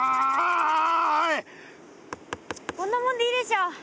こんなもんでいいでしょ。